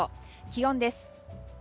気温です。